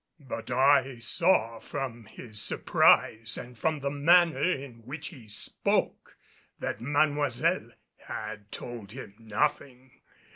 But I saw from his surprise and from the manner in which he spoke that Mademoiselle had told him nothing.